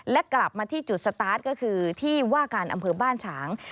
และกลับมาที่จุดสตาร์ทก็คือที่ว่าการอำเภอบ้านฉาง